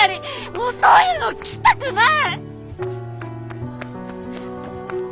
もうそういうの聞きたくない！